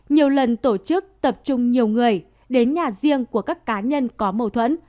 nhiều lần tổ chức tập trung nhiều người đến nhà riêng của các cá nhân có mâu thuẫn